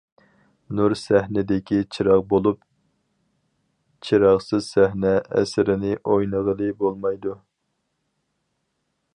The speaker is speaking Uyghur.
نۇر سەھنىدىكى چىراغ بولۇپ، چىراغسىز سەھنە ئەسىرىنى ئوينىغىلى بولمايدۇ.